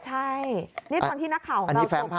ใช่นี่ตอนที่นักข่าวของเราส่งไป